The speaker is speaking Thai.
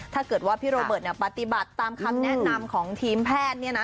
ถ้าเกิดว่าพี่โรเบิร์ตปฏิบัติตามคำแนะนำของทีมแพทย์